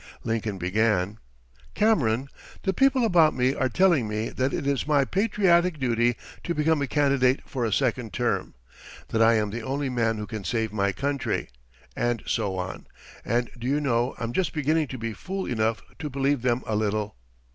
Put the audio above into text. Lincoln began: "Cameron, the people about me are telling me that it is my patriotic duty to become a candidate for a second term, that I am the only man who can save my country, and so on; and do you know I'm just beginning to be fool enough to believe them a little.